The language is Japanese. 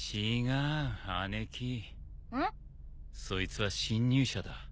そいつは侵入者だ。